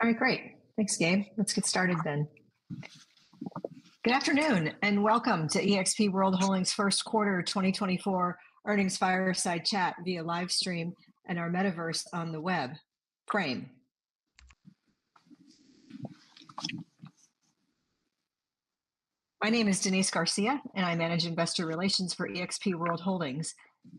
All right, great! Thanks, Gabe. Let's get started then. Good afternoon, and welcome to eXp World Holdings' First Quarter 2024 Earnings Fireside Chat via live stream and our metaverse on the web, Frame. My name is Denise Garcia, and I manage Investor Relations for eXp World Holdings.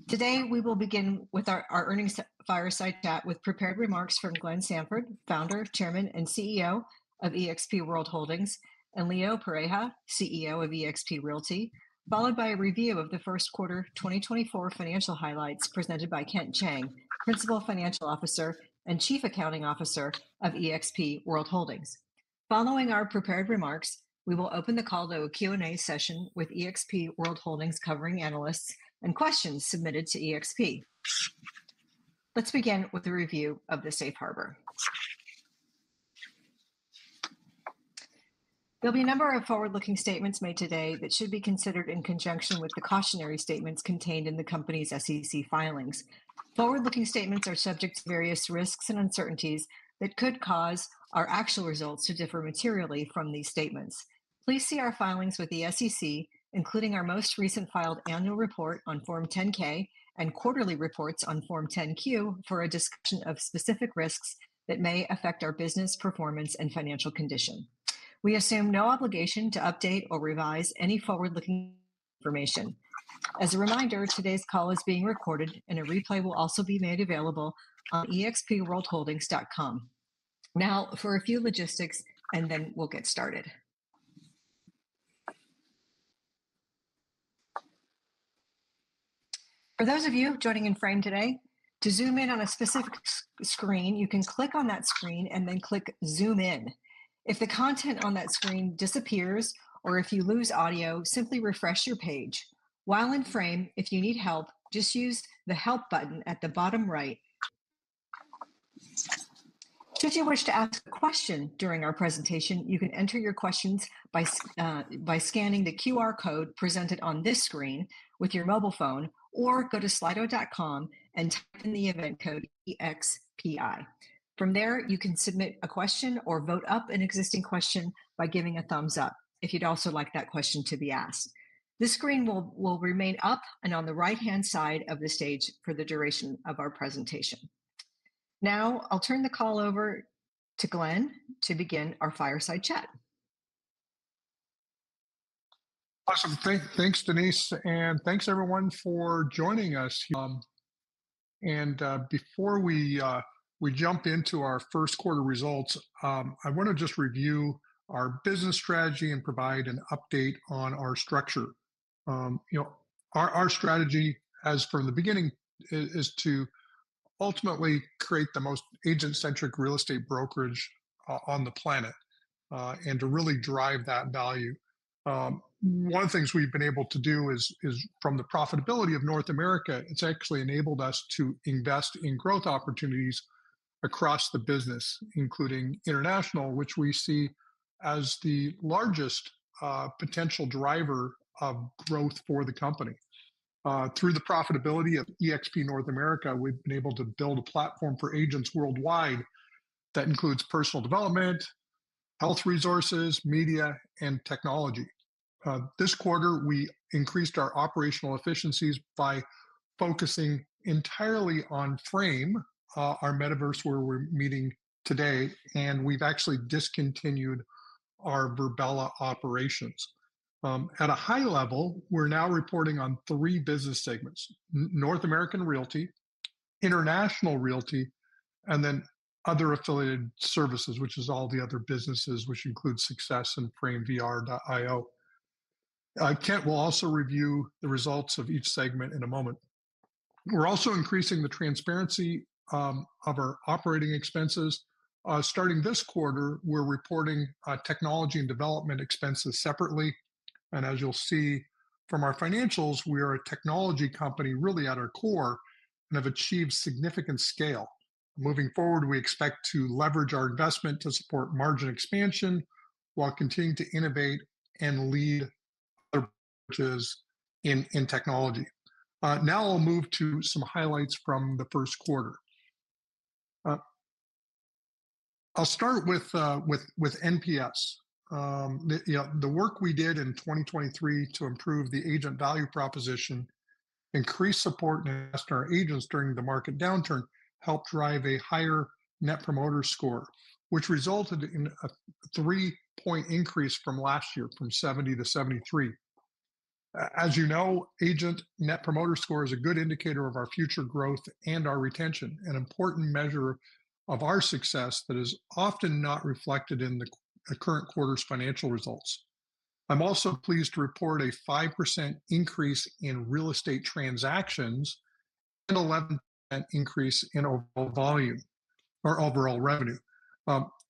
Today, we will begin with our earnings fireside chat with prepared remarks from Glenn Sanford, Founder, Chairman, and CEO of eXp World Holdings, and Leo Pareja, CEO of eXp Realty, followed by a review of the first quarter 2024 financial highlights presented by Kent Cheng, Principal Financial Officer and Chief Accounting Officer of eXp World Holdings. Following our prepared remarks, we will open the call to a Q&A session with eXp World Holdings covering analysts and questions submitted to eXp. Let's begin with a review of the safe harbor. There'll be a number of forward-looking statements made today that should be considered in conjunction with the cautionary statements contained in the company's SEC filings. Forward-looking statements are subject to various risks and uncertainties that could cause our actual results to differ materially from these statements. Please see our filings with the SEC, including our most recent filed annual report on Form 10-K and quarterly reports on Form 10-Q, for a discussion of specific risks that may affect our business performance and financial condition. We assume no obligation to update or revise any forward-looking information. As a reminder, today's call is being recorded, and a replay will also be made available on expworldholdings.com. Now, for a few logistics, and then we'll get started. For those of you joining in Frame today, to zoom in on a specific screen, you can click on that screen and then click Zoom In. If the content on that screen disappears or if you lose audio, simply refresh your page. While in Frame, if you need help, just use the help button at the bottom right. Should you wish to ask a question during our presentation, you can enter your questions by scanning the QR code presented on this screen with your mobile phone, or go to slido.com and type in the event code EXPI. From there, you can submit a question or vote up an existing question by giving a thumbs up if you'd also like that question to be asked. This screen will remain up and on the right-hand side of the stage for the duration of our presentation. Now, I'll turn the call over to Glenn to begin our fireside chat. Awesome. Thanks, Denise, and thanks, everyone, for joining us. Before we jump into our first quarter results, I want to just review our business strategy and provide an update on our structure. You know, our strategy, as from the beginning, is to ultimately create the most agent-centric real estate brokerage on the planet, and to really drive that value. One of the things we've been able to do is from the profitability of North America, it's actually enabled us to invest in growth opportunities across the business, including international, which we see as the largest potential driver of growth for the company. Through the profitability of eXp North America, we've been able to build a platform for agents worldwide that includes personal development, health resources, media, and technology. This quarter, we increased our operational efficiencies by focusing entirely on Frame, our metaverse where we're meeting today, and we've actually discontinued our Virbela operations. At a high level, we're now reporting on three business segments: North American Realty, International Realty, and then other affiliated services, which is all the other businesses, which includes SUCCESS and FrameVR.io. Kent will also review the results of each segment in a moment. We're also increasing the transparency of our operating expenses. Starting this quarter, we're reporting technology and development expenses separately, and as you'll see from our financials, we are a technology company really at our core and have achieved significant scale. Moving forward, we expect to leverage our investment to support margin expansion, while continuing to innovate and lead other, which is in technology. Now I'll move to some highlights from the first quarter. I'll start with NPS. You know, the work we did in 2023 to improve the agent value proposition, increased support and asked our agents during the market downturn helped drive a higher net promoter score, which resulted in a 3-point increase from last year, from 70%-73%. As you know, agent net promoter score is a good indicator of our future growth and our retention, an important measure of our SUCCESS that is often not reflected in the current quarter's financial results. I'm also pleased to report a 5% increase in real estate transactions and 11% increase in overall volume or overall revenue.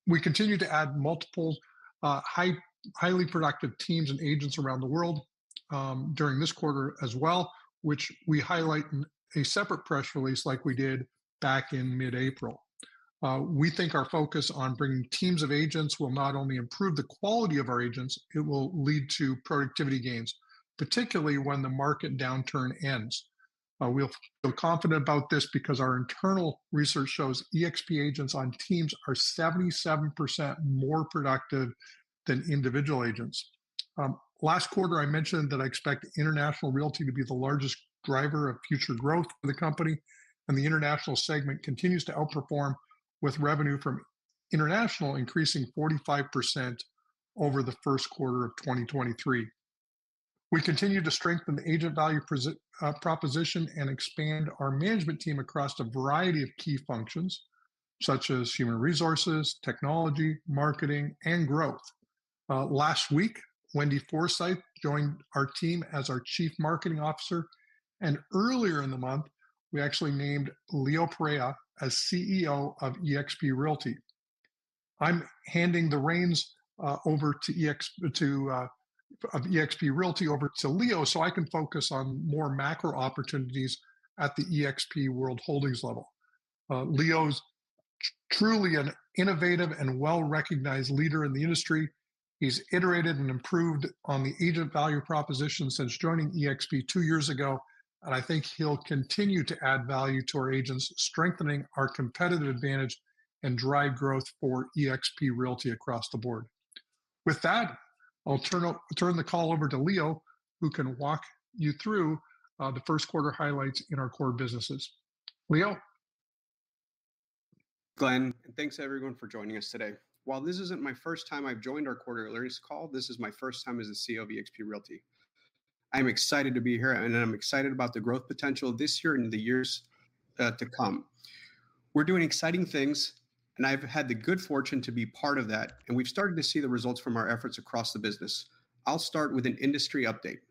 We continue to add multiple, highly productive teams and agents around the world, during this quarter as well, which we highlight in a separate press release like we did back in mid-April. We think our focus on bringing teams of agents will not only improve the quality of our agents, it will lead to productivity gains, particularly when the market downturn ends. We feel confident about this because our internal research shows eXp agents on teams are 77% more productive than individual agents. Last quarter, I mentioned that I expect international realty to be the largest driver of future growth for the company, and the international segment continues to outperform, with revenue from international increasing 45% over the first quarter of 2023. We continue to strengthen the agent value proposition and expand our management team across a variety of key functions, such as human resources, technology, marketing, and growth. Last week, Wendy Forsythe joined our team as our Chief Marketing Officer, and earlier in the month, we actually named Leo Pareja as CEO of eXp Realty. I'm handing the reins over to Leo of eXp Realty, so I can focus on more macro opportunities at the eXp World Holdings level. Leo's truly an innovative and well-recognized leader in the industry. He's iterated and improved on the agent value proposition since joining 2 years ago, and I think he'll continue to add value to our agents, strengthening our competitive advantage and drive growth for eXp Realty across the board. With that, I'll turn the call over to Leo, who can walk you through the first quarter highlights in our core businesses. Leo? Glenn, and thanks, everyone, for joining us today. While this isn't my first time I've joined our quarterly earnings call, this is my first time as the CEO of eXp Realty. I'm excited to be here, and I'm excited about the growth potential this year and in the years to come. We're doing exciting things, and I've had the good fortune to be part of that, and we've started to see the results from our efforts across the business. I'll start with an industry update.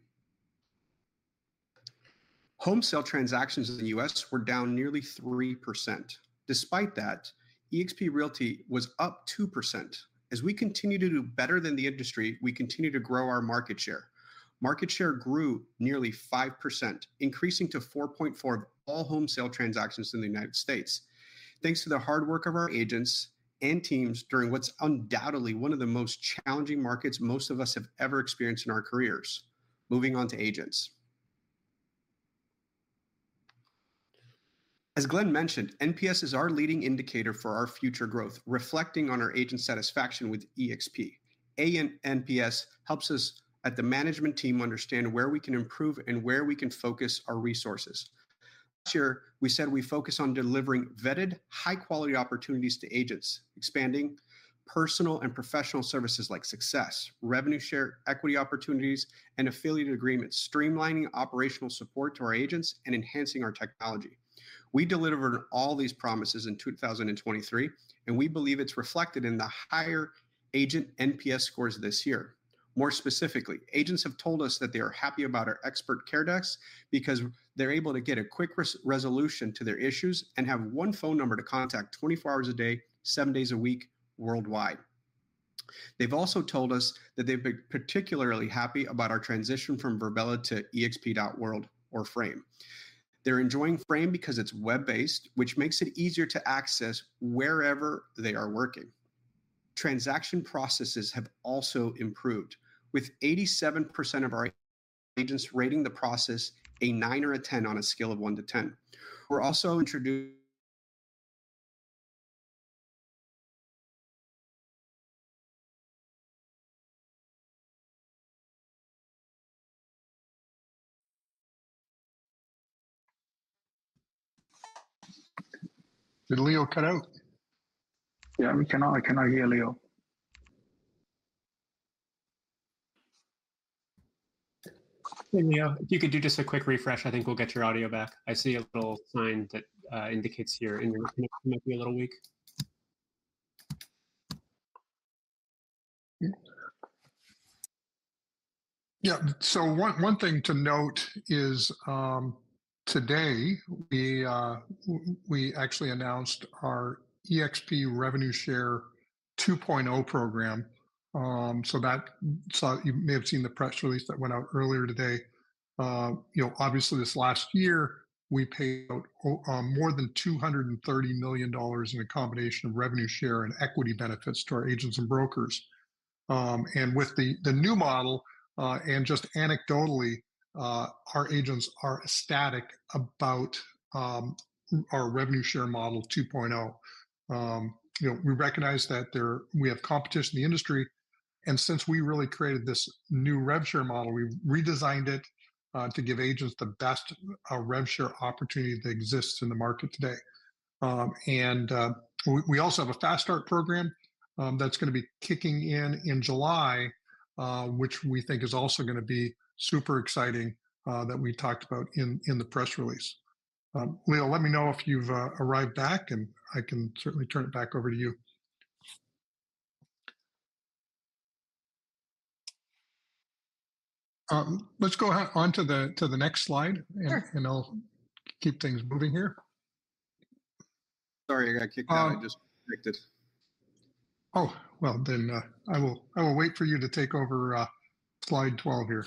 Home sale transactions in the U.S. were down nearly 3%. Despite that, eXp Realty was up 2%. As we continue to do better than the industry, we continue to grow our market share. Market share grew nearly 5%, increasing to 4.4% of all home sale transactions in the United States, thanks to the hard work of our agents and teams during what's undoubtedly one of the most challenging markets most of us have ever experienced in our careers. Moving on to agents. As Glenn mentioned, NPS is our leading indicator for our future growth, reflecting on our agent satisfaction with eXp. An increase in NPS helps us, at the management team, understand where we can improve and where we can focus our resources. Last year, we said we'd focus on delivering vetted, high-quality opportunities to agents, expanding personal and professional services like SUCCESS, Revenue Share, equity opportunities, and affiliate agreements, streamlining operational support to our agents, and enhancing our technology. We delivered all these promises in 2023, and we believe it's reflected in the higher agent NPS scores this year. More specifically, agents have told us that they are happy about our Expert Care Desks because they're able to get a quick resolution to their issues and have one phone number to contact 24 hours a day, 7 days a week, worldwide. They've also told us that they've been particularly happy about our transition from Virbela to exp.world, or Frame. They're enjoying Frame because it's web-based, which makes it easier to access wherever they are working. Transaction processes have also improved, with 87% of our agents rating the process a 9 or a 10 on a scale of 1 to 10. We're also introdu Did Leo cut out? Yeah, we cannot. I cannot hear Leo. Hey, Leo, if you could do just a quick refresh, I think we'll get your audio back. I see a little sign that indicates your internet may be a little weak. Yeah, so one thing to note is, today, we actually announced our eXp REVenue Share 2.0 program, so you may have seen the press release that went out earlier today. You know, obviously, this last year, we paid out more than $230 million in a combination of REVenue Share and equity benefits to our agents and brokers. And with the new model, and just anecdotally, our agents are ecstatic about our REVenue Share model 2.0. You know, we recognize that we have competition in the industry, and since we really created this new REV Share model, we redesigned it to give agents the best REV Share opportunity that exists in the market today. And we also have a Fast Start program that's going to be kicking in in July, which we think is also going to be super exciting, that we talked about in the press release. Leo, let me know if you've arrived back, and I can certainly turn it back over to you. Let's go on to the next slide- Sure... and I'll keep things moving here. Sorry, I got disconnected. Oh, well, then, I will, I will wait for you to take over, slide 12 here.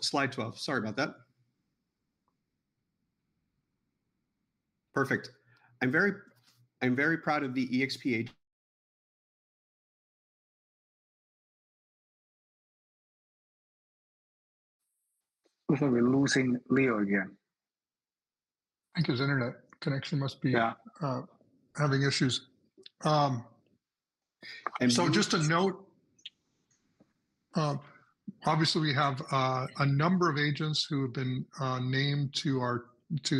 Slide 12, sorry about that. Perfect. I'm very, I'm very proud of the eXp agent... We're losing Leo again. I think his internet connection must be having issues. And so just to note, obviously we have a number of agents who have been named to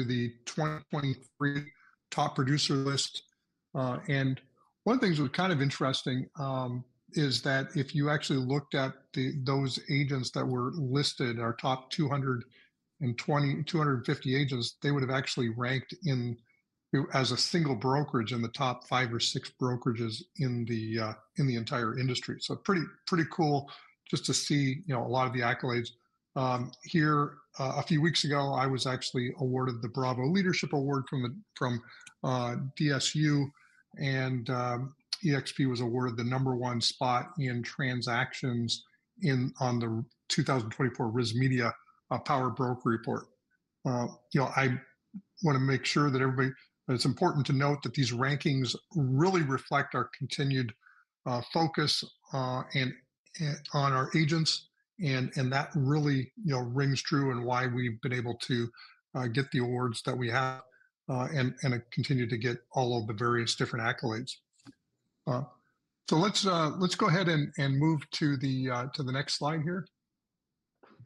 the 2023 top producer list. And one of the things that was kind of interesting is that if you actually looked at those agents that were listed, our top 200, 250 agents, they would have actually ranked in as a single brokerage in the top 5 or 6 brokerages in the entire industry. So pretty, pretty cool just to see, you know, a lot of the accolades. Here, a few weeks ago, I was actually awarded the Bravo Leadership Award from DS, and eXp was awarded the number one spot in transactions on the 2024 RISMedia Power Broker Report. You know, I want to make sure that everybody, it's important to note that these rankings really reflect our continued focus on our agents, and that really, you know, rings true in why we've been able to get the awards that we have and continue to get all of the various different accolades. So let's go ahead and move to the next slide here.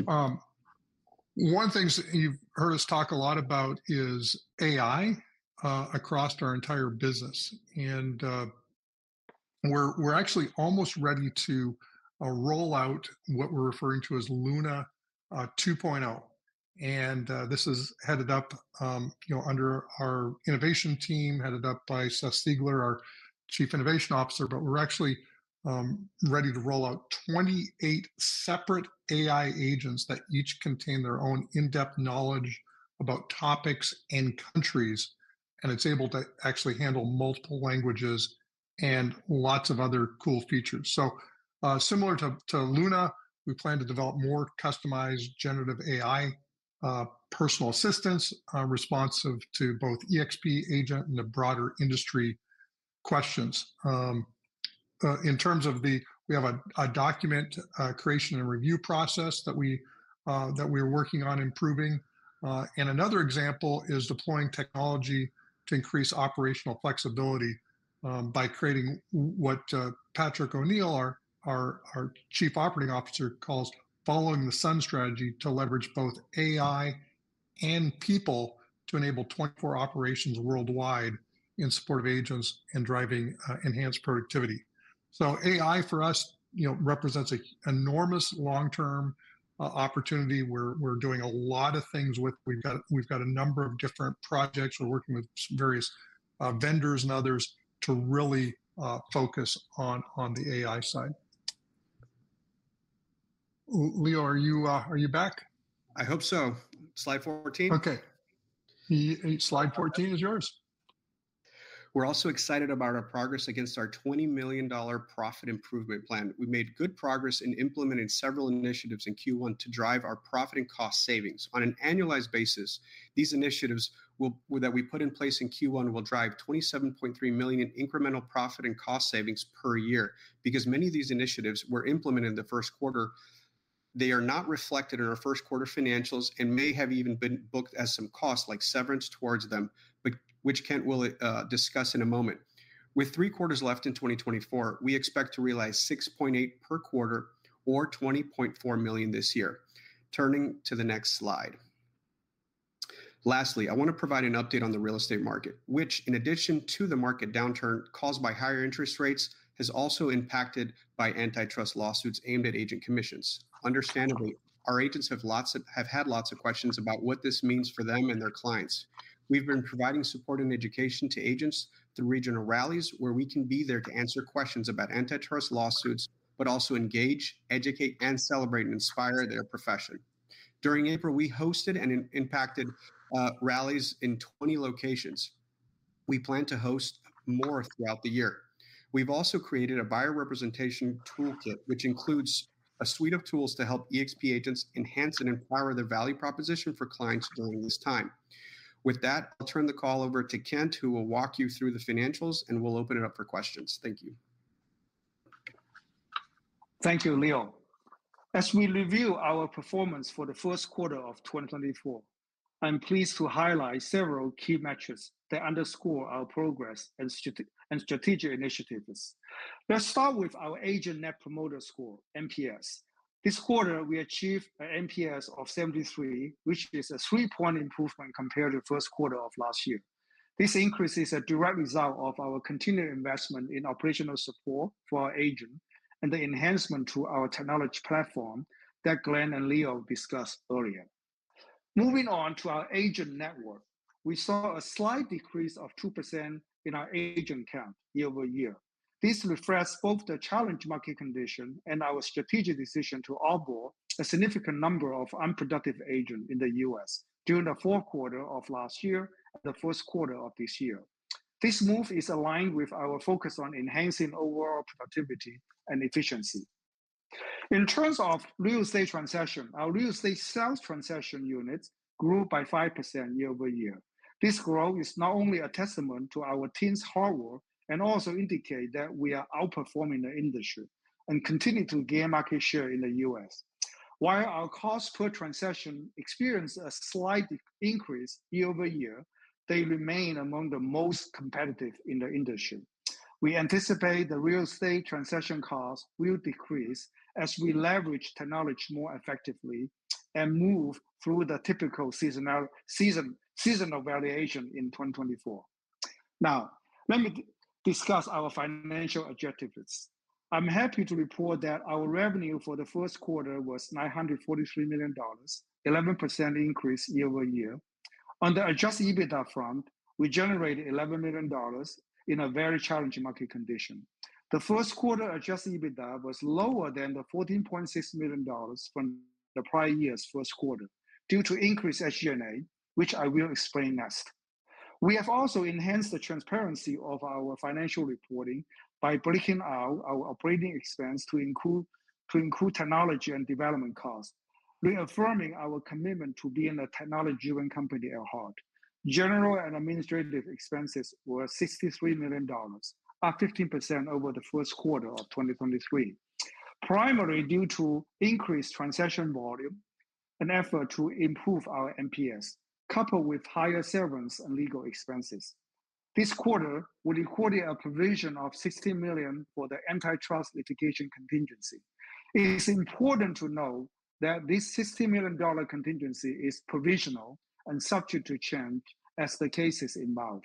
One of the things that you've heard us talk a lot about is AI across our entire business, and we're actually almost ready to roll out what we're referring to as Luna 2.0. This is headed up, you know, under our innovation team, headed up by Seth Siegler, our Chief Innovation Officer. But we're actually ready to roll out 28 separate AI agents that each contain their own in-depth knowledge about topics and countries, and it's able to actually handle multiple languages and lots of other cool features. So, similar to Luna, we plan to develop more customized generative AI personal assistants responsive to both eXp agent and the broader industry questions. In terms of the we have a document creation and review process that we're working on improving. And another example is deploying technology to increase operational flexibility by creating what Patrick O'Neill, our Chief Operating Officer, calls Following the Sun strategy to leverage both AI and people to enable 24 operations worldwide in support of agents and driving enhanced productivity. So AI, for us, you know, represents a enormous long-term opportunity. We're, we're doing a lot of things with... We've got, we've got a number of different projects. We're working with various, vendors and others to really, focus on, the AI side. Leo, are you, are you back? I hope so. Slide 14. Okay. The slide 14 is yours. We're also excited about our progress against our $20 million profit improvement plan. We made good progress in implementing several initiatives in Q1 to drive our profit and cost savings. On an annualized basis, these initiatives that we put in place in Q1 will drive $27.3 million in incremental profit and cost savings per year. Because many of these initiatives were implemented in the first quarter, they are not reflected in our first quarter financials and may have even been booked as some cost, like severance towards them, but which Kent will discuss in a moment. With three quarters left in 2024, we expect to realize $6.8 million per quarter or $20.4 million this year. Turning to the next slide. Lastly, I want to provide an update on the real estate market, which, in addition to the market downturn caused by higher interest rates, is also impacted by antitrust lawsuits aimed at agent commissions. Understandably, our agents have lots of, have had lots of questions about what this means for them and their clients. We've been providing support and education to agents through regional rallies, where we can be there to answer questions about antitrust lawsuits, but also engage, educate, and celebrate and inspire their profession. During April, we hosted and impacted rallies in 20 locations. We plan to host more throughout the year. We've also created a buyer representation toolkit, which includes a suite of tools to help eXp agents enhance and inquire their value proposition for clients during this time. With that, I'll turn the call over to Kent, who will walk you through the financials, and we'll open it up for questions. Thank you. Thank you, Leo. As we review our performance for the first quarter of 2024, I'm pleased to highlight several key metrics that underscore our progress and strategic initiatives. Let's start with our agent Net Promoter Score, NPS. This quarter, we achieved an NPS of 73, which is a 3-point improvement compared to the first quarter of last year. This increase is a direct result of our continued investment in operational support for our agent and the enhancement to our technology platform that Glenn and Leo discussed earlier. Moving on to our agent network, we saw a slight decrease of 2% in our agent count year-over-year. This reflects both the challenged market condition and our strategic decision to onboard a significant number of unproductive agents in the U.S. during the fourth quarter of last year and the first quarter of this year. This move is aligned with our focus on enhancing overall productivity and efficiency. In terms of real estate transaction, our real estate sales transaction units grew by 5% year-over-year. This growth is not only a testament to our team's hard work and also indicate that we are outperforming the industry and continuing to gain market share in the U.S. While our cost per transaction experienced a slight increase year-over-year, they remain among the most competitive in the industry. We anticipate the real estate transaction costs will decrease as we leverage technology more effectively and move through the typical seasonal variation in 2024. Now, let me discuss our financial objectives. I'm happy to report that our revenue for the first quarter was $943 million, 11% increase year-over-year. On the adjusted EBITDA front, we generated $11 million in a very challenging market condition. The first quarter adjusted EBITDA was lower than the $14.6 million from the prior year's first quarter, due to increased SG&A, which I will explain next. We have also enhanced the transparency of our financial reporting by breaking out our operating expense to include technology and development costs, reaffirming our commitment to being a technology-driven company at heart. General and administrative expenses were $63 million, up 15% over the first quarter of 2023, primarily due to increased transaction volume and effort to improve our NPS, coupled with higher severance and legal expenses. This quarter, we recorded a provision of $16 million for the antitrust litigation contingency. It is important to note that this $16 million contingency is provisional and subject to change as the case evolves.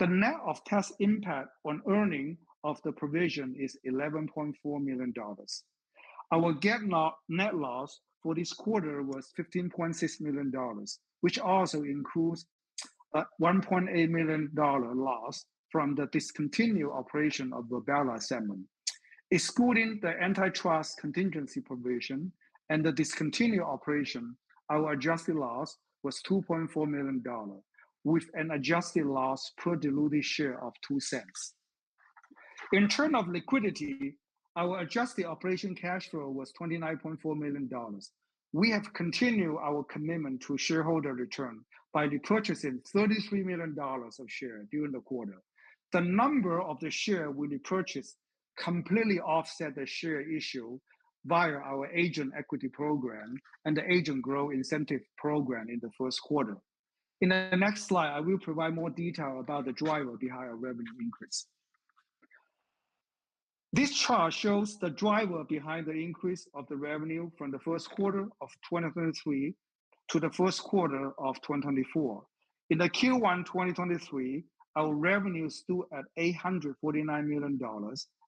The net-of-tax impact on earnings of the provision is $11.4 million. Our GAAP net loss for this quarter was $15.6 million, which also includes a $1.8 million loss from the discontinued operation of the Virbela segment. Excluding the antitrust contingency provision and the discontinued operation, our adjusted loss was $2.4 million, with an adjusted loss per diluted share of $0.02. In terms of liquidity, our adjusted operating cash flow was $29.4 million. We have continued our commitment to shareholder return by repurchasing $33 million of shares during the quarter. The number of shares we repurchased completely offset the share issue via our Agent Equity Program and the Agent Growth Incentive Program in the first quarter. In the next slide, I will provide more detail about the driver behind our revenue increase. This chart shows the driver behind the increase of the revenue from the first quarter of 2023 to the first quarter of 2024. In Q1 2023, our revenue stood at $849 million,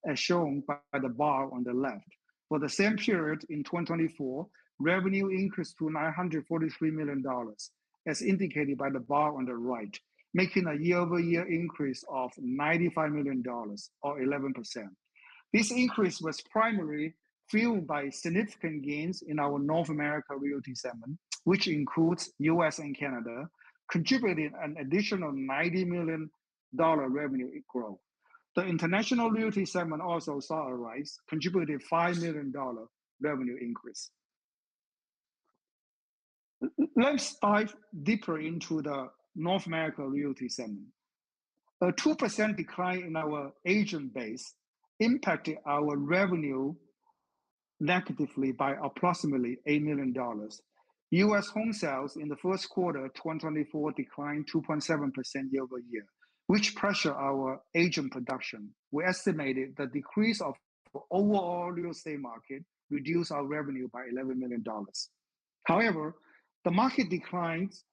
as shown by the bar on the left. For the same period in 2024, revenue increased to $943 million, as indicated by the bar on the right, making a year-over-year increase of $95 million or 11%. This increase was primarily fueled by significant gains in our North America Realty segment, which includes U.S. and Canada, contributing an additional $90 million revenue growth. The international realty segment also saw a rise, contributing a $5 million revenue increase. Let's dive deeper into the North America Realty segment. A 2% decline in our agent base impacted our revenue negatively by approximately $8 million. U.S. home sales in the first quarter of 2024 declined 2.7% year-over-year, which pressure our agent production. We estimated the decrease of overall real estate market reduced our revenue by $11 million. However, the market declines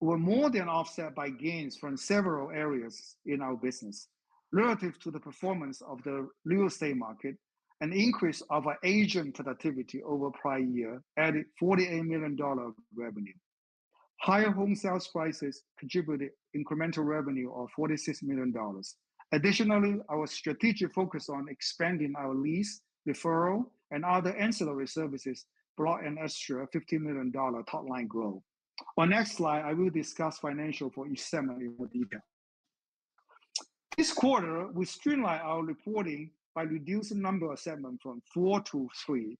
were more than offset by gains from several areas in our business. Relative to the performance of the real estate market, an increase of our agent productivity over prior year added $48 million of revenue. Higher home sales prices contributed incremental revenue of $46 million. Additionally, our strategic focus on expanding our lease, referral, and other ancillary services brought an extra $15 million top-line growth. On next slide, I will discuss financials for each segment in more detail. This quarter, we streamlined our reporting by reducing number of segments from four to three.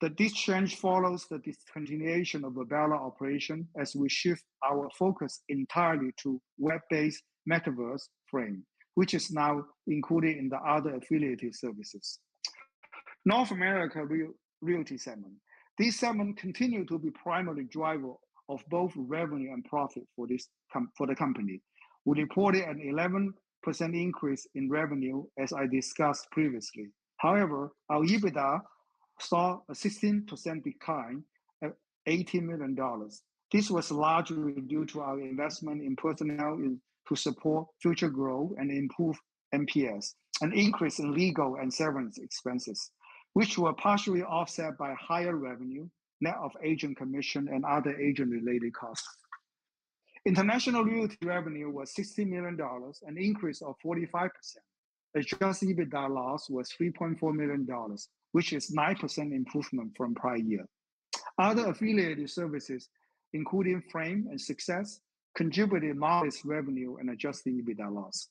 But this change follows the discontinuation of the Virbela operation as we shift our focus entirely to web-based metaverse Frame, which is now included in the other affiliated services. North America Realty segment. This segment continued to be primary driver of both revenue and profit for the company. We reported an 11% increase in revenue, as I discussed previously. However, our EBITDA saw a 16% decline at $80 million. This was largely due to our investment in personnel in, to support future growth and improve NPS, an increase in legal and severance expenses, which were partially offset by higher revenue, net of agent commission and other agent-related costs. International Realty revenue was $60 million, an increase of 45%. Adjusted EBITDA loss was $3.4 million, which is 9% improvement from prior year. Other affiliated services, including Frame and SUCCESS, contributed modest revenue and adjusted EBITDA loss.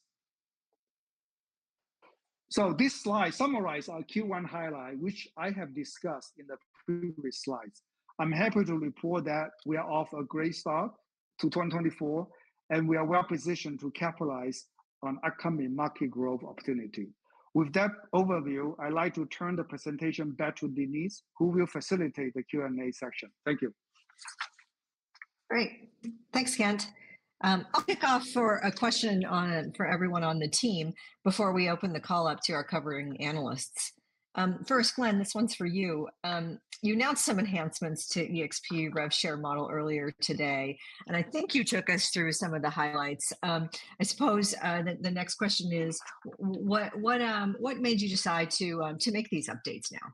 This slide summarizes our Q1 highlight, which I have discussed in the previous slides. I'm happy to report that we are off to a great start to 2024, and we are well positioned to capitalize on upcoming market growth opportunity. With that overview, I'd like to turn the presentation back to Denise, who will facilitate the Q&A section. Thank you.... Great! Thanks, Kent. I'll kick off with a question for everyone on the team before we open the call up to our covering analysts. First, Glenn, this one's for you. You announced some enhancements to eXp REV Share model earlier today, and I think you took us through some of the highlights. I suppose the next question is, what made you decide to make these updates now?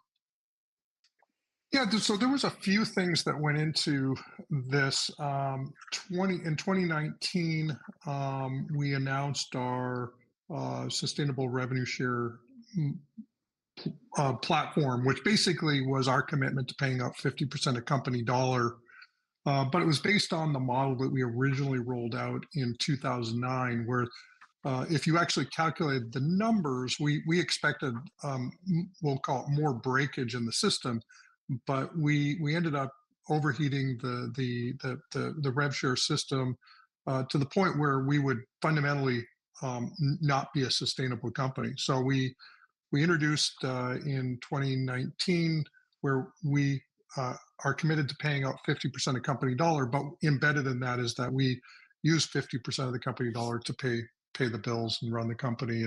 Yeah, so there was a few things that went into this. In 2019, we announced our sustainable REVenue Share platform, which basically was our commitment to paying out 50% of company dollar. But it was based on the model that we originally rolled out in 2009, where if you actually calculated the numbers, we expected, we'll call it more breakage in the system. But we ended up overheating the REV Share system to the point where we would fundamentally not be a sustainable company. So we introduced in 2019, where we are committed to paying out 50% of company dollar, but embedded in that is that we use 50% of the company dollar to pay the bills and run the company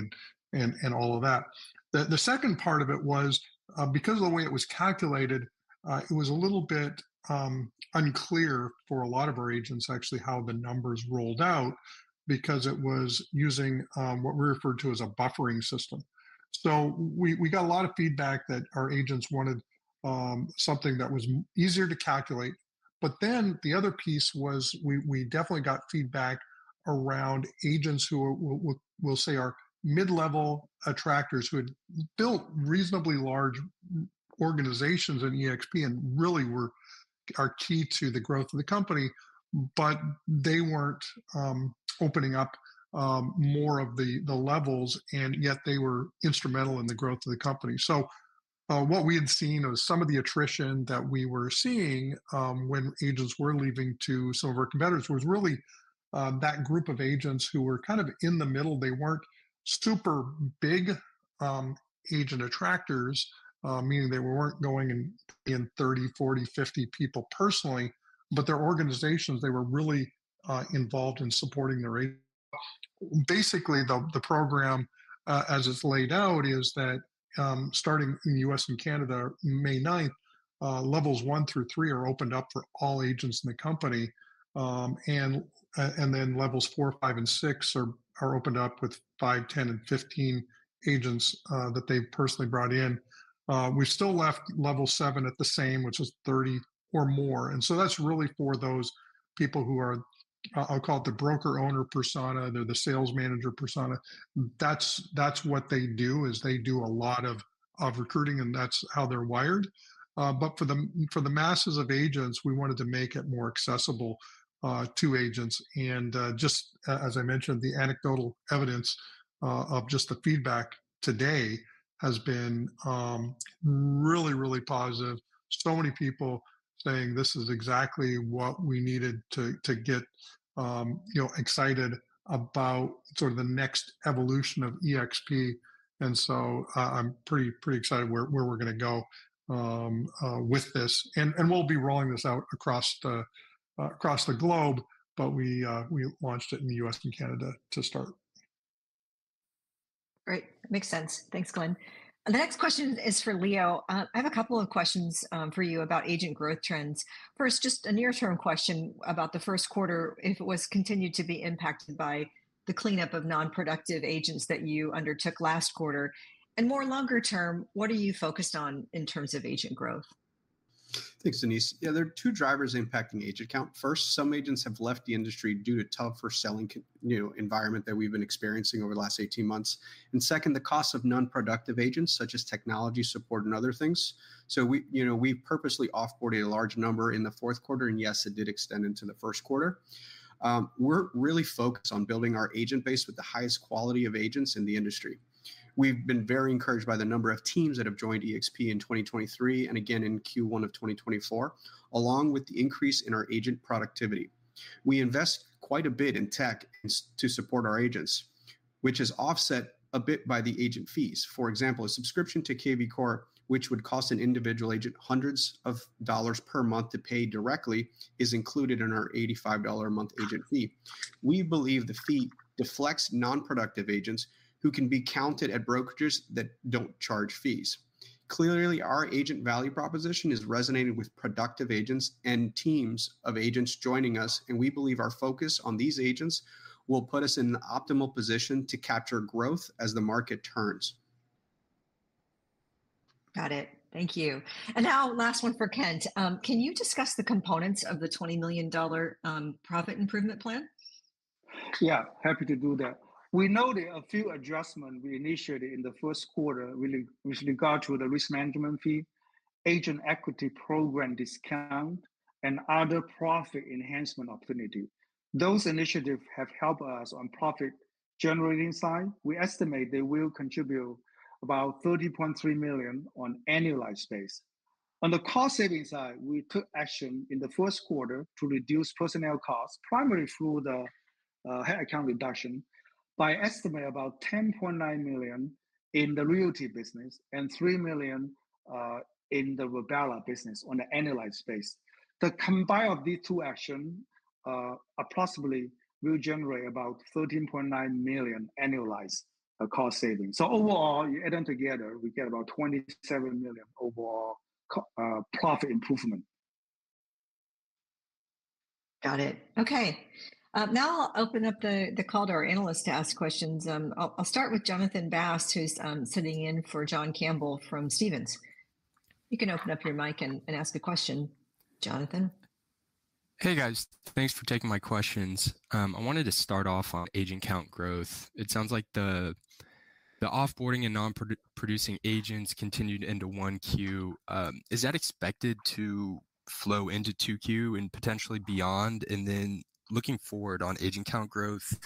and all of that. The second part of it was, because of the way it was calculated, it was a little bit unclear for a lot of our agents, actually, how the numbers rolled out, because it was using what we referred to as a buffering system. So we got a lot of feedback that our agents wanted something that was easier to calculate. But then the other piece was we definitely got feedback around agents who were, we'll say, are mid-level attractors, who had built reasonably large organizations in eXp and really were... are key to the growth of the company, but they weren't opening up more of the levels, and yet they were instrumental in the growth of the company. So, what we had seen was some of the attrition that we were seeing when agents were leaving to some of our competitors, was really that group of agents who were kind of in the middle. They weren't super big agent attractors, meaning they weren't going in 30, 40, 50 people personally, but their organizations, they were really involved in supporting their agents. Basically, the program as it's laid out is that starting in the U.S. and Canada, May 9, levels 1 through 3 are opened up for all agents in the company. Then levels 4, 5, and 6 are opened up with 5, 10, and 15 agents that they've personally brought in. We still left level 7 at the same, which was 30 or more, and so that's really for those people who are, I'll call it the broker-owner persona, they're the sales manager persona. That's what they do, is they do a lot of recruiting, and that's how they're wired. But for the masses of agents, we wanted to make it more accessible to agents. Just as I mentioned, the anecdotal evidence of just the feedback today has been really, really positive. So many people saying, "This is exactly what we needed to get, you know, excited about sort of the next evolution of eXp." So, I'm pretty excited where we're going to go with this. And we'll be rolling this out across the globe, but we launched it in the U.S. and Canada to start. Great. Makes sense. Thanks, Glenn. The next question is for Leo. I have a couple of questions for you about agent growth trends. First, just a near-term question about the first quarter, if it was continued to be impacted by the cleanup of non-productive agents that you undertook last quarter? More longer term, what are you focused on in terms of agent growth? Thanks, Denise. Yeah, there are two drivers impacting agent count. First, some agents have left the industry due to tougher selling you know, environment that we've been experiencing over the last 18 months. And second, the cost of non-productive agents, such as technology support and other things. So we, you know, we purposely off-boarded a large number in the fourth quarter, and yes, it did extend into the first quarter. We're really focused on building our agent base with the highest quality of agents in the industry. We've been very encouraged by the number of teams that have joined eXp in 2023 and again in Q1 of 2024, along with the increase in our agent productivity. We invest quite a bit in tech and to support our agents, which is offset a bit by the agent fees. For example, a subscription to kvCORE, which would cost an individual agent hundreds of dollars per month to pay directly, is included in our $85 a month agent fee. We believe the fee deflects non-productive agents who can be counted at brokerages that don't charge fees. Clearly, our agent value proposition has resonated with productive agents and teams of agents joining us, and we believe our focus on these agents will put us in an optimal position to capture growth as the market turns. Got it. Thank you. And now, last one for Kent. Can you discuss the components of the $20 million profit improvement plan? Yeah, happy to do that. We know there are a few adjustments we initiated in the first quarter with regard to the risk management fee, Agent Equity Program discount, and other profit enhancement opportunity. Those initiatives have helped us on profit-generating side. We estimate they will contribute about $30.3 million on annualized basis. On the cost-saving side, we took action in the first quarter to reduce personnel costs, primarily through the- headcount reduction by estimate about $10.9 million in the realty business and $3 million in the Virbela business on the annualized basis. The combination of these two actions are possibly will generate about $13.9 million annualized cost savings. So overall, you add them together, we get about $27 million overall core profit improvement. Got it. Okay, now I'll open up the call to our analysts to ask questions. I'll start with Jonathan Bass, who's sitting in for John Campbell from Stephens. You can open up your mic and ask a question, Jonathan. Hey, guys. Thanks for taking my questions. I wanted to start off on agent count growth. It sounds like the off-boarding and nonproducing agents continued into 1Q. Is that expected to flow into 2Q and potentially beyond? And then looking forward on agent count growth,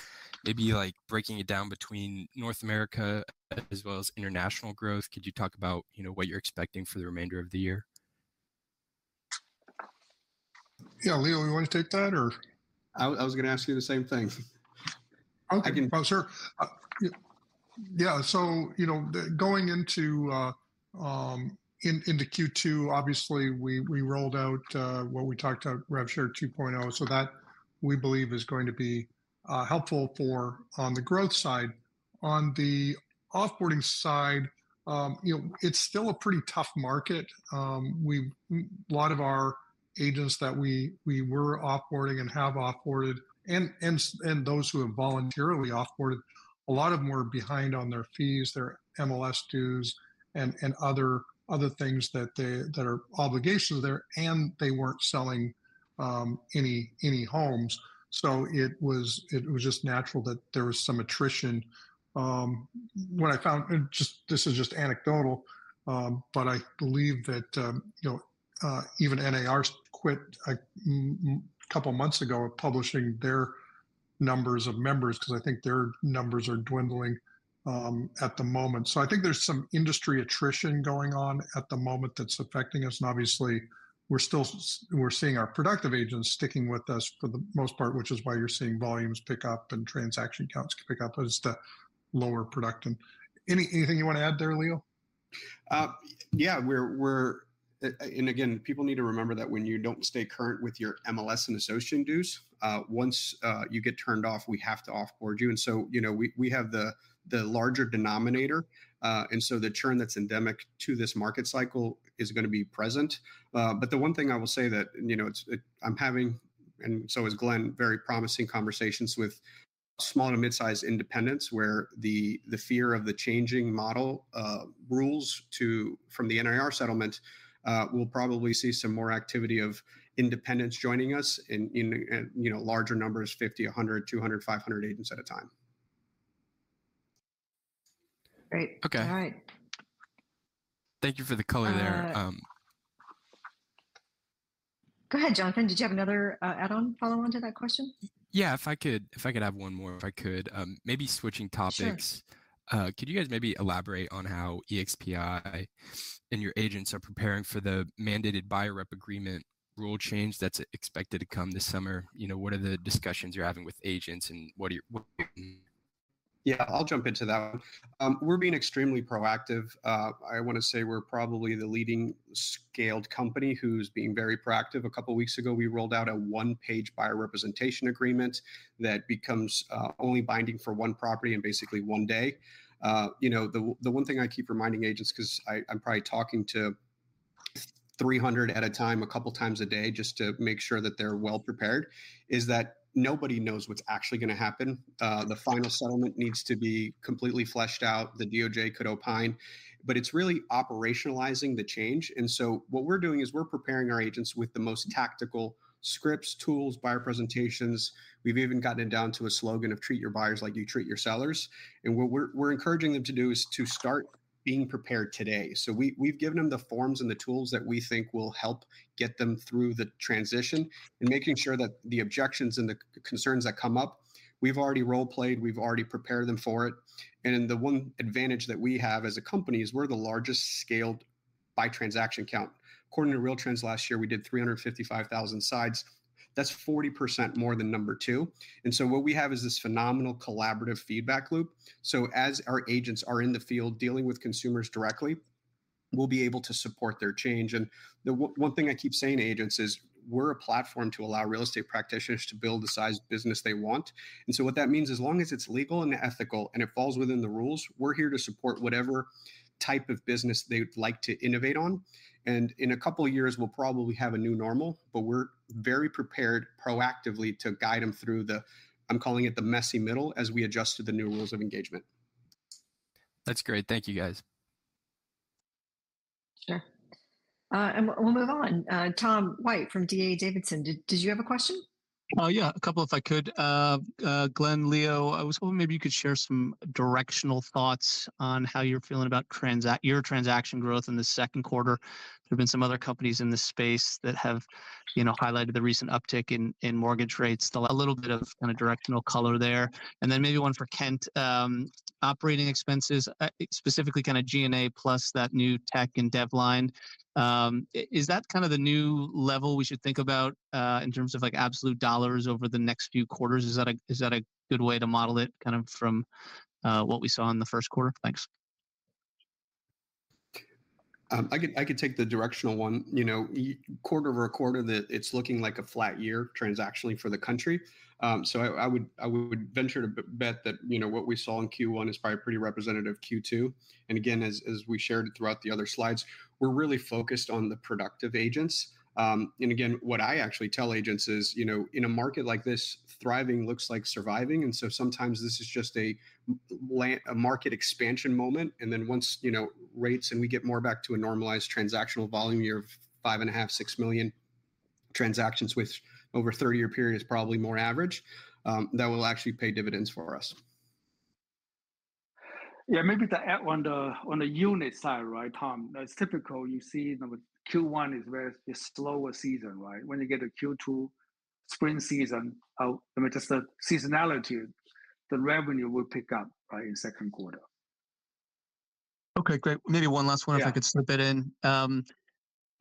maybe like breaking it down between North America as well as international growth, could you talk about, you know, what you're expecting for the remainder of the year? Yeah, Leo, you want to take that, or? I was going to ask you the same thing. I can- Okay. Well, sure. Yeah, so, you know, the going into, in, into Q2, obviously, we, we rolled out, what we talked about, REV Share 2.0. So that, we believe, is going to be, helpful for on the growth side. On the off-boarding side, you know, it's still a pretty tough market. We, a lot of our agents that we, we were off-boarding and have off-boarded and, and those who have voluntarily off-boarded, a lot of them were behind on their fees, their MLS dues, and, other things that they... that are obligations there, and they weren't selling, any homes. So it was, just natural that there was some attrition. What I found, and just, this is just anecdotal, but I believe that, you know, even NAR quit a couple months ago publishing their numbers of members, because I think their numbers are dwindling at the moment. So I think there's some industry attrition going on at the moment that's affecting us, and obviously, we're seeing our productive agents sticking with us for the most part, which is why you're seeing volumes pick up and transaction counts pick up as the lower production. Anything you want to add there, Leo? Yeah, we're, we're, and again, people need to remember that when you don't stay current with your MLS and association dues, once you get turned off, we have to off-board you. And so, you know, we, we have the larger denominator, and so the churn that's endemic to this market cycle is going to be present. But the one thing I will say that, and, you know, it's I'm having, and so is Glenn, very promising conversations with small and mid-sized independents where the fear of the changing model rules from the NAR settlement, we'll probably see some more activity of independents joining us in, you know, larger numbers, 50, 100, 200, 500 agents at a time. Great. Okay. All right. Thank you for the color there. Go ahead, Jonathan. Did you have another, add-on follow-on to that question? Yeah, if I could have one more. Maybe switching topics. Sure. Could you guys maybe elaborate on how eXp and your agents are preparing for the mandated buyer rep agreement rule change that's expected to come this summer? You know, what are the discussions you're having with agents, and what are you what? Yeah, I'll jump into that one. We're being extremely proactive. I want to say we're probably the leading scaled company who's being very proactive. A couple weeks ago, we rolled out a one-page buyer representation agreement that becomes only binding for one property in basically one day. You know, the one thing I keep reminding agents, because I'm probably talking to 300 at a time, a couple times a day, just to make sure that they're well prepared, is that nobody knows what's actually going to happen. The final settlement needs to be completely fleshed out. The DOJ could opine, but it's really operationalizing the change. And so what we're doing is we're preparing our agents with the most tactical scripts, tools, buyer presentations. We've even gotten it down to a slogan of: Treat your buyers like you treat your sellers. And what we're encouraging them to do is to start being prepared today. So we've given them the forms and the tools that we think will help get them through the transition and making sure that the objections and the concerns that come up, we've already role-played, we've already prepared them for it. And the one advantage that we have as a company is we're the largest scaled by transaction count. According to RealTrends, last year, we did 355,000 sites. That's 40% more than number two. And so what we have is this phenomenal collaborative feedback loop. So as our agents are in the field dealing with consumers directly, we'll be able to support their change. The one thing I keep saying to agents is, "We're a platform to allow real estate practitioners to build the size business they want." So what that means, as long as it's legal and ethical and it falls within the rules, we're here to support whatever type of business they would like to innovate on. In a couple of years, we'll probably have a new normal, but we're very prepared proactively to guide them through the, I'm calling it the messy middle, as we adjust to the new rules of engagement. That's great. Thank you, guys. Sure. We'll move on. Tom White from D.A. Davidson, did you have a question? Yeah, a couple if I could. Glenn, Leo, I was hoping maybe you could share some directional thoughts on how you're feeling about your transaction growth in the second quarter. There have been some other companies in this space that have, you know, highlighted the recent uptick in mortgage rates. Still a little bit of kind of directional color there. And then maybe one for Kent, operating expenses, specifically kind of G&A plus that new tech and dev line. Is that kind of the new level we should think about in terms of, like, absolute dollars over the next few quarters? Is that a good way to model it, kind of from what we saw in the first quarter? Thanks.... I could take the directional one. You know, quarter-over-quarter, it's looking like a flat year transactionally for the country. So I would venture to bet that, you know, what we saw in Q1 is probably a pretty representative Q2. And again, as we shared throughout the other slides, we're really focused on the productive agents. And again, what I actually tell agents is, you know, in a market like this, thriving looks like surviving, and so sometimes this is just a market expansion moment, and then once, you know, rates, and we get more back to a normalized transactional volume year of 5.5 million-6 million transactions, which over a 30-year period is probably more average, that will actually pay dividends for us. Yeah, maybe to add on the, on the unit side, right, Tom? It's typical, you see number Q1 is where it's slower season, right? When you get to Q2 spring season, I mean, just the seasonality, the revenue will pick up, right, in second quarter. Okay, great. Maybe one last one- Yeah... if I could slip it in.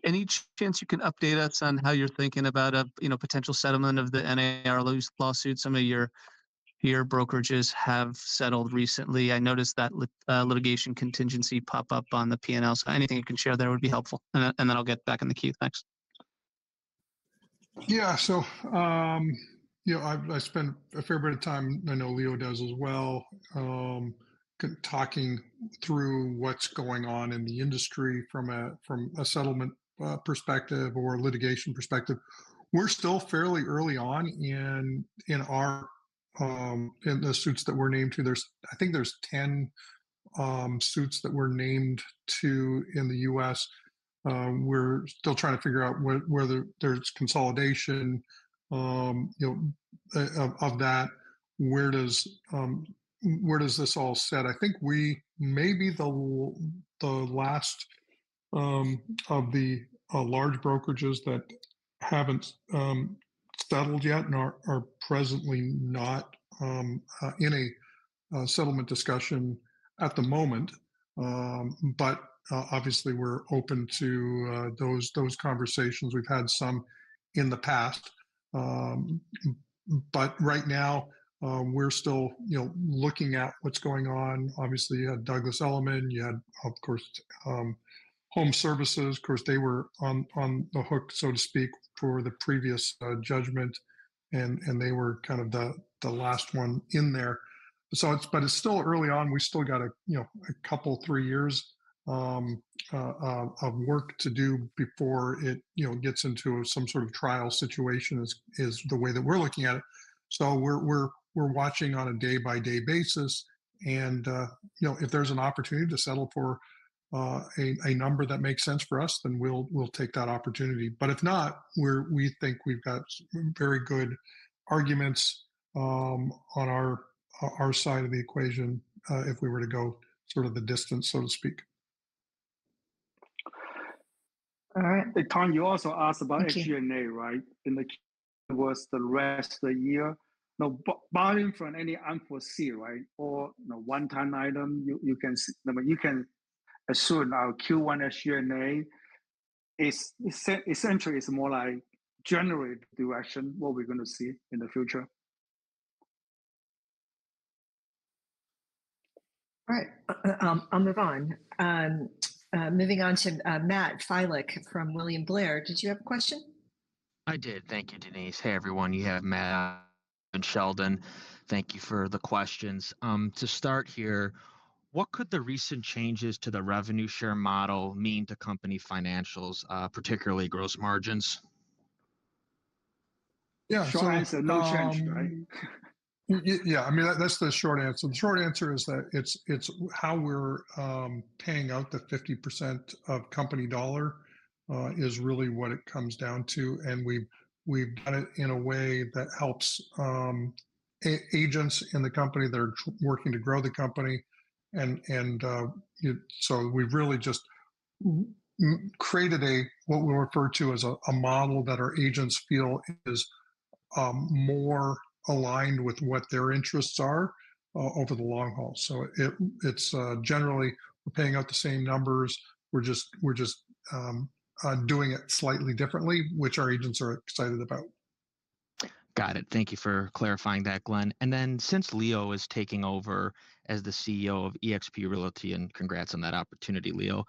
Any chance you can update us on how you're thinking about a, you know, potential settlement of the NAR's lawsuit? Some of your brokerages have settled recently. I noticed that litigation contingency pop up on the P&L, so anything you can share there would be helpful. And then I'll get back in the queue. Thanks. Yeah, so, you know, I've spent a fair bit of time, I know Leo does as well, talking through what's going on in the industry from a settlement perspective or a litigation perspective. We're still fairly early on in our suits that we're named to. I think there's 10 suits that we're named to in the U.S. We're still trying to figure out whether there's consolidation, you know, of that, where does this all settle? I think we may be the last of the large brokerages that haven't settled yet and are presently not in a settlement discussion at the moment. But obviously we're open to those conversations. We've had some in the past. But right now, we're still, you know, looking at what's going on. Obviously, you had Douglas Elliman, you had, of course, HomeServices. Of course, they were on, on the hook, so to speak, for the previous, judgment, and they were kind of the last one in there. So it's but it's still early on. We still got a, you know, a couple, three years, of work to do before it, you know, gets into some sort of trial situation, is the way that we're looking at it. So we're watching on a day-by-day basis and, you know, if there's an opportunity to settle for, a number that makes sense for us, then we'll take that opportunity. But if not, we think we've got very good arguments on our side of the equation, if we were to go sort of the distance, so to speak. All right. Hey, Tom, you also asked about- Thank you... SG&A, right? In the Q1 the rest of the year. Now, barring from any unforeseen, right, or, you know, one-time item, you can see... I mean, you can assume now Q1 SG&A is essentially is more like generate direction, what we're going to see in the future. All right, I'll move on. Moving on to Matt Filek from William Blair, did you have a question? I did. Thank you, Denise. Hey, everyone, you have Matt and Sheldon. Thank you for the questions. To start here, what could the recent changes to the REVenue Share model mean to company financials, particularly gross margins? Yeah, so- Short answer, no change, right? Yeah, I mean, that's the short answer. The short answer is that it's, it's how we're paying out the 50% of company dollar is really what it comes down to, and we've, we've done it in a way that helps agents in the company that are working to grow the company. So we've really just created a what we refer to as a model that our agents feel is more aligned with what their interests are over the long haul. So it, it's generally, we're paying out the same numbers. We're just, we're just doing it slightly differently, which our agents are excited about. Got it. Thank you for clarifying that, Glenn. And then, since Leo is taking over as the CEO of eXp Realty, and congrats on that opportunity, Leo,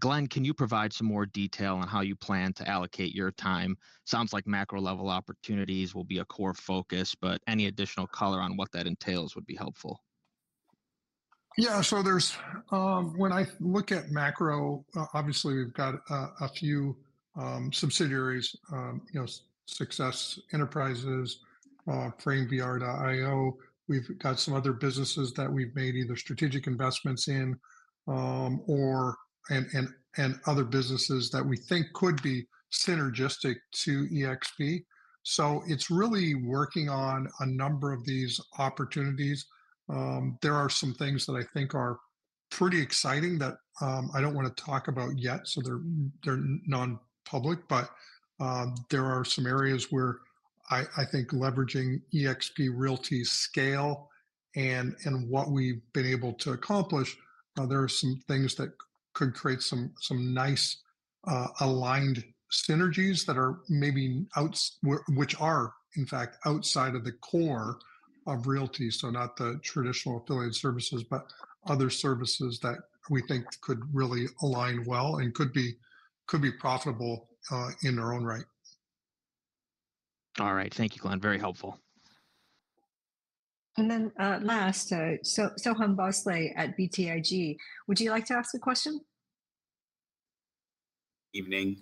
Glenn, can you provide some more detail on how you plan to allocate your time? Sounds like macro-level opportunities will be a core focus, but any additional color on what that entails would be helpful. Yeah, so there's... When I look at macro, obviously, we've got a few subsidiaries, you know, SUCCESS Enterprises, FrameVR.io. We've got some other businesses that we've made either strategic investments in, or and other businesses that we think could be synergistic to eXp. So it's really working on a number of these opportunities. There are some things that I think are pretty exciting that I don't want to talk about yet, so they're non-public, but there are some areas where I think leveraging eXp Realty's scale and what we've been able to accomplish, there are some things that could create some nice-... aligned synergies that are maybe which are, in fact, outside of the core of realty, so not the traditional affiliate services, but other services that we think could really align well and could be, could be profitable, in their own right. All right. Thank you, Glenn. Very helpful. And then, last, Soham Bhonsle at BTIG, would you like to ask a question? Evening.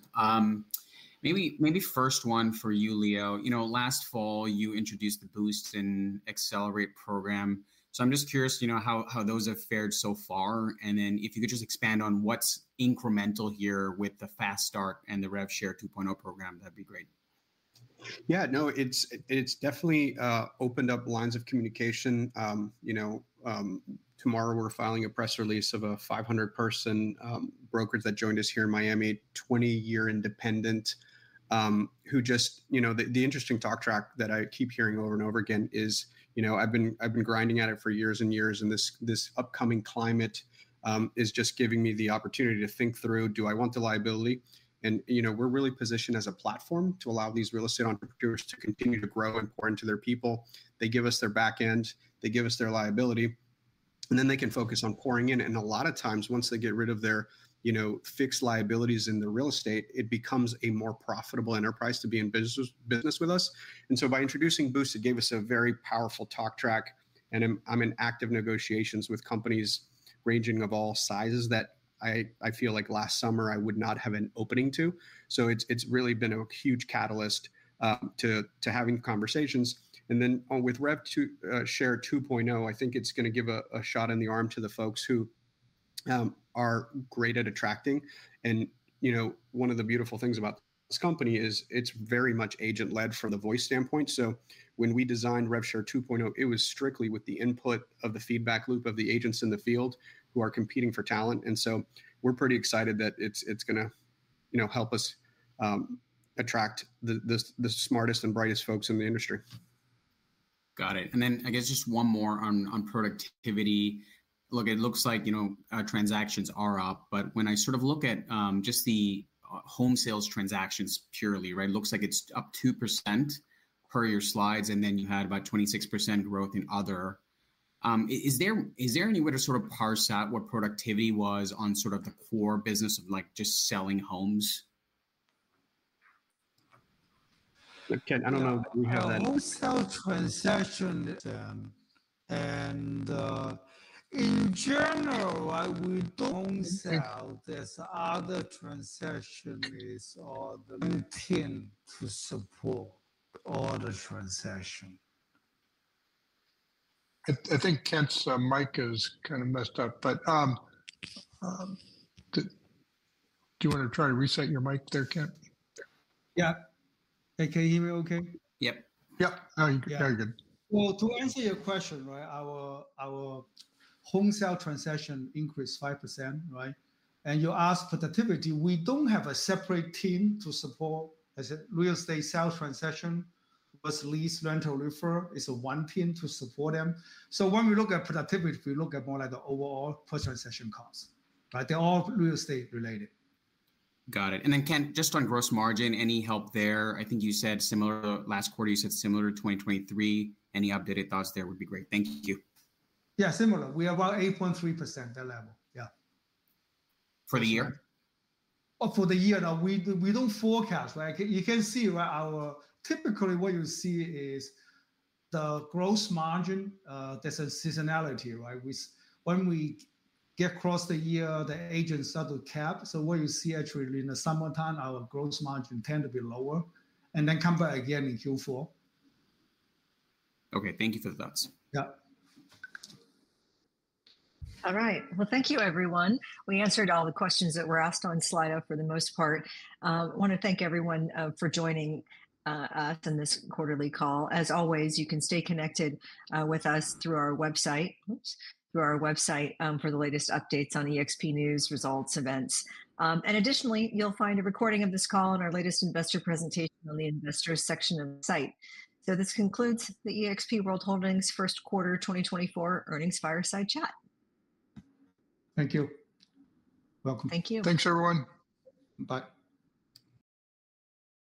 Maybe first one for you, Leo. You know, last fall, you introduced the Boost and Accelerate program. So I'm just curious, you know, how those have fared so far, and then if you could just expand on what's incremental here with the Fast Start and the REVShare 2.0 program, that'd be great. Yeah, no, it's, it's definitely opened up lines of communication. You know, tomorrow we're filing a press release of a 500-person brokerage that joined us here in Miami, 20-year independent, who just— You know, the interesting talk track that I keep hearing over and over again is, you know, "I've been, I've been grinding at it for years and years, and this, this upcoming climate is just giving me the opportunity to think through, do I want the liability?" And, you can, we're really positioned as a platform to allow these real estate entrepreneurs to continue to grow and pour into their people. They give us their back end, they give us their liability, and then they can focus on pouring in. And a lot of times, once they get rid of their, you know, fixed liabilities in the real estate, it becomes a more profitable enterprise to be in business with us. And so by introducing Boost, it gave us a very powerful talk track, and I'm in active negotiations with companies ranging of all sizes that I feel like last summer I would not have an opening to. So it's really been a huge catalyst to having conversations. And then, with REVshare 2.0, I think it's going to give a shot in the arm to the folks who are great at attracting. And, you know, one of the beautiful things about this company is it's very much agent-led from the voice standpoint. So when we designed REVshare 2.0, it was strictly with the input of the feedback loop of the agents in the field who are competing for talent. And so we're pretty excited that it's going to, you know, help us attract the smartest and brightest folks in the industry. Got it. And then I guess just one more on, on productivity. Look, it looks like, you know, transactions are up, but when I sort of look at, just the, home sales transactions purely, right? It looks like it's up 2% per your slides, and then you had about 26% growth in other. Is there, is there any way to sort of parse out what productivity was on sort of the core business of, like, just selling homes? Kent, I don't know if you have that- Home sale transaction, and in general, we don't sell this other transaction is on the team to support all the transaction. I think Kent's mic is kind of messed up, but do you want to try to reset your mic there, Kent? Yeah. Hey, can you hear me okay? Yep. Yep. Very good. Well, to answer your question, right, our home sale transaction increased 5%, right? And you ask productivity, we don't have a separate team to support, as a real estate sale transaction, versus lease, rental, refer, is a one team to support them. So when we look at productivity, we look at more like the overall per transaction cost, right? They're all real estate related. Got it. And then, Kent, just on gross margin, any help there? I think you said similar. Last quarter, you said similar to 2023. Any updated thoughts there would be great. Thank you. Yeah, similar. We are about 8.3%, that level. Yeah. For the year? Oh, for the year. Now, we don't forecast. Like, you can see what our... Typically, what you see is the gross margin. There's a seasonality, right? When we get across the year, the agents start to cap. So what you see actually in the summertime, our gross margin tend to be lower and then come back again in Q4. Okay. Thank you for the thoughts. Yeah. All right. Well, thank you, everyone. We answered all the questions that were asked on Slido for the most part. want to thank everyone for joining us on this quarterly call. As always, you can stay connected with us through our website.. Through our website for the latest updates on eXp news, results, events. And additionally, you'll find a recording of this call in our latest investor presentation on the Investors section of the site. So this concludes the eXp World Holdings first quarter 2024 earnings fireside chat. Thank you. Welcome. Thank you. Thanks, everyone. Bye.